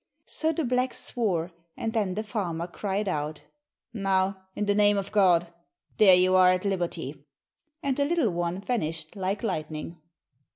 So the black swore, and then the farmer cried out "Now, in the name of God. There you are at liberty," and the little one vanished like lightning.